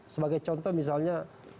sebagai contoh misalnya